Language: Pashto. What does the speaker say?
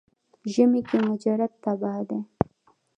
ژمي کې مجرد تبا دی.